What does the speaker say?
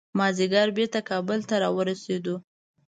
مازدیګر بیرته کابل ته راورسېدو.